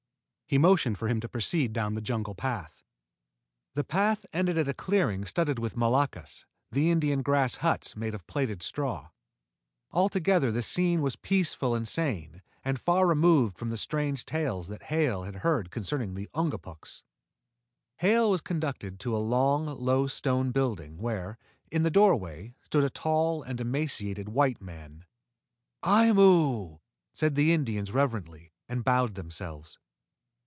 He motioned for him to proceed down the jungle path. The path ended at a clearing studded with moloccas, the Indian grass huts made of plaited straw. Altogether the scene was peaceful and sane and far removed from the strange tales that Hale had heard concerning the Ungapuks. Hale was conducted to a long, low stone building, where, in the doorway, stood a tall and emaciated white man. "Aimu!" said the Indians reverently, and bowed themselves.